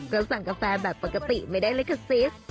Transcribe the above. ก็สั่งกาแฟแบบปกติไม่ได้ลิขซิส